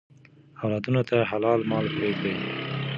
اولادونو ته حلال مال پریږدئ.